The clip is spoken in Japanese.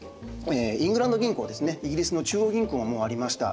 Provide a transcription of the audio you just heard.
イングランド銀行ですねイギリスの中央銀行もありました。